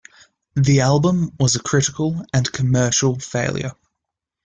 The album was a critical and commercial failure.